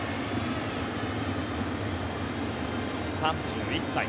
３１歳。